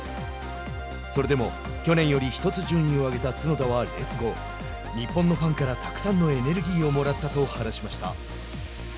それでも去年より１つ順位を上げた角田はレース後日本のファンからたくさんのエネルギーをもらったと話しました。